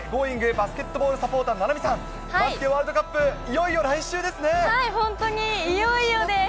バスケットボールサポーター、菜波さん、バスケワールドカップ、本当にいよいよです。